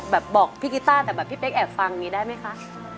บอกพี่กีต้าแต่แบบพี่เป๊กแอบฟังอย่างนี้ได้ไหมคะ